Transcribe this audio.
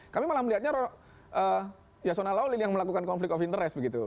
kami malah melihatnya yasona lawli yang melakukan konflik of interest begitu